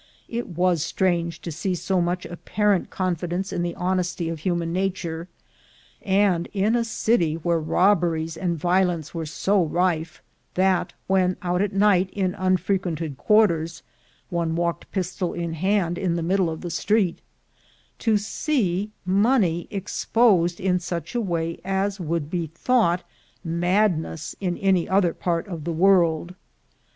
It was strange to see so much apparent confidence in the honesty of human nature, and — in a city where robberies and vio lence were so rife, that, when out at night in unfre quented quarters, one walked pistol in hand in the mid dle of the street — to see money exposed in such a way as would be thought madness in any other part of the world.